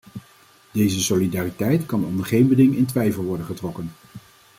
Deze solidariteit kan onder geen beding in twijfel worden getrokken.